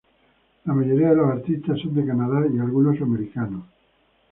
La mayoría de los artistas son de Canadá y algunos americanos.